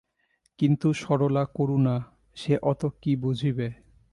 কিন্তু সরলা করুণা, সে অত কী বুঝিবে!